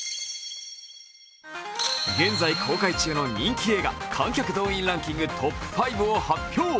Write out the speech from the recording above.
現在公開中の人気映画観客動員ランキングトップ５を発表